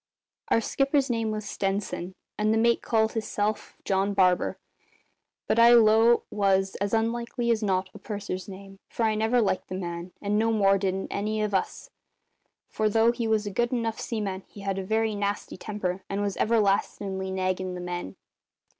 Our skipper's name was Stenson, and the mate called hisself John Barber, but I 'low it was, as likely as not, a purser's name, for I never liked the man, and no more didn't any of us, for though he was a good enough seaman he had a very nasty temper and was everlastin'ly naggin' the men.